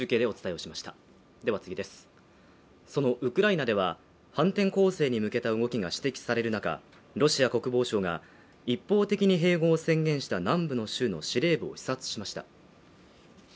そのウクライナでは、反転攻勢に向けた動きが指摘される中、ロシア国防相が一方的に併合を宣言した南部の州の司令部を視察しました。